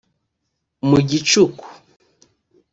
Mu gicuku